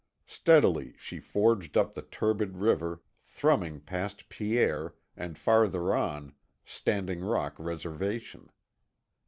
Steadily she forged up the turbid river, thrumming past Pierre, and, farther on, Standing Rock reservation.